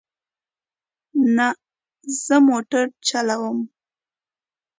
نه، زه موټر چلوم